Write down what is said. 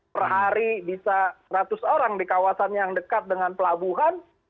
per hari bisa seratus orang di kawasan yang dekat dengan pelabuhan